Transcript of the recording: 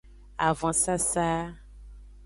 Avonsasa.